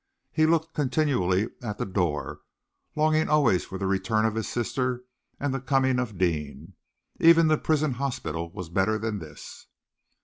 He looked continually at the door, longing always for the return of his sister and the coming of Deane. Even the prison hospital was better than this.